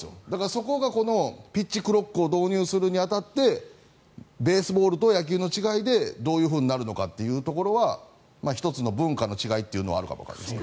そこがこの、ピッチクロックを導入するに当たってベースボールと野球の違いでどういうふうになるのかってところは１つの文化の違いというのはあるかもわからないです。